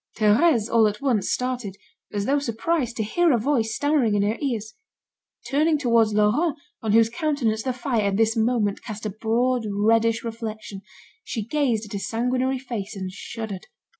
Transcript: Thérèse all at once started as though surprised to hear a voice stammering in her ears. Turning towards Laurent, on whose countenance the fire, at this moment, cast a broad reddish reflection, she gazed at his sanguinary face, and shuddered.